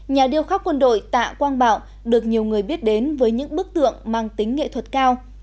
nhà điêu khắc quân đội tạ quang bảo được nhiều người biết đến với những bức tượng mang tính nghệ thuật cao